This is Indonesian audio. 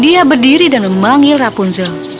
dia berdiri dan memanggil rapunzel